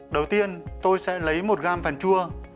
đầu tiên tôi sẽ lấy một gram phèn chua